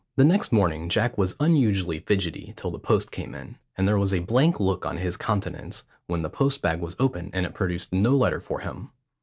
The next morning Jack was unusually fidgety till the post came in, and there was a blank look on his countenance when the post bag was opened and it produced no letter for him.